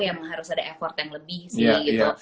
emang harus ada effort yang lebih sih gitu